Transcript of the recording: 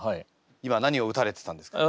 今何を打たれてたんですか？